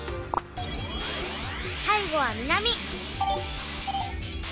最後は南。